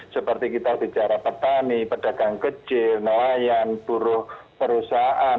seperti kita bicara petani pedagang kecil nelayan buruh perusahaan